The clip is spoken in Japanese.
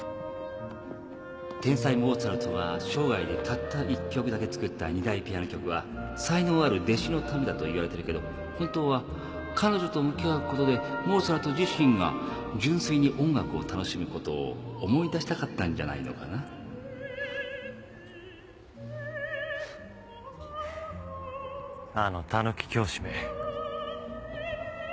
天才モーツァルトが生涯でたった１曲だけ作った２台ピアノ曲は才能ある弟子のためだと言われてるけど本当は彼女と向き合うことでモーツァルト自身が純粋に音楽を楽しむことを思い出したかったんじゃないのかなあのタヌキ教師め。